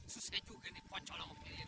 sukses juga nih pancala mampirin